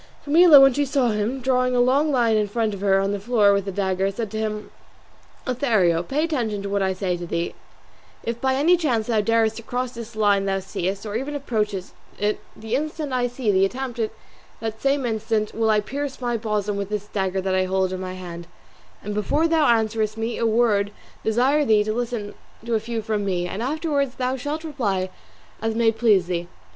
Camilla when she saw him, drawing a long line in front of her on the floor with the dagger, said to him, "Lothario, pay attention to what I say to thee: if by any chance thou darest to cross this line thou seest, or even approach it, the instant I see thee attempt it that same instant will I pierce my bosom with this dagger that I hold in my hand; and before thou answerest me a word I desire thee to listen to a few from me, and afterwards thou shalt reply as may please thee.